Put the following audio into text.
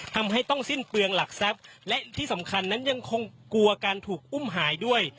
ทำให้ต้องสิ้นเปลืองหลักทรัพย์และที่สำคัญนั้นยังคงกลัวการถูกอุ้มหายด้วย